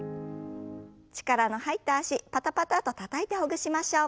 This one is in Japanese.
力の入った脚パタパタッとたたいてほぐしましょう。